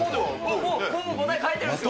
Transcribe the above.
ほぼ答え書いてるんですよ。